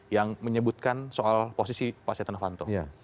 yang menyebutkan soal posisi pak setnafanto